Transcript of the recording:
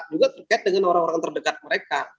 juga terkait dengan orang orang terdekat mereka